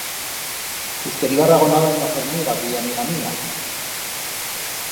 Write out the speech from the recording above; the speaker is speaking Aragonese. Pus queriba ragonar dan una forniga que ye amiga mía.